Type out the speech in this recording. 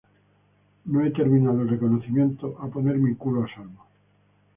no he terminado el reconocimiento. a poner mi culo a salvo.